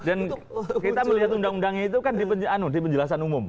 kita melihat undang undangnya itu kan di penjelasan umum